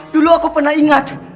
dulu aku pernah ingat